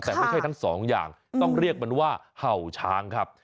แต่ไม่ใช่ทั้งสองอย่างต้องเรียกมันว่าเห่าช้างครับ